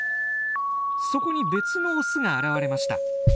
そこに別のオスが現れました。